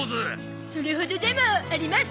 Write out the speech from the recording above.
それほどでもあります！